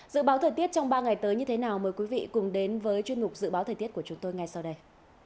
dự báo thời tiết trong ba ngày tới như thế nào mời quý vị cùng đến với chuyên mục dự báo thời tiết của chúng tôi ngay sau đây